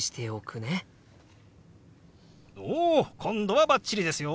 今度はバッチリですよ。